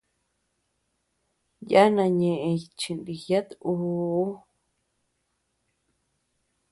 Yánaa ñeʼën chiniiyat uu.